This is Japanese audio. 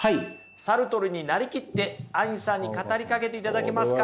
サルトルになりきってアインさんに語りかけていただけますか。